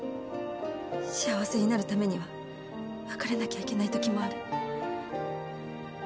幸せになるためには別れなきゃいけないときもある。